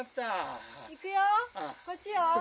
いくよこっちよ。